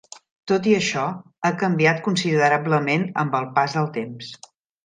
Tot i això, ha canviat considerablement amb el pas del temps.